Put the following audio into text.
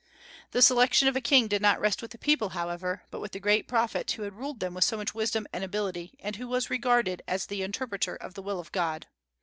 The selection of a king did not rest with the people, however, but with the great prophet who had ruled them with so much wisdom and ability, and who was regarded as the interpreter of the will of God.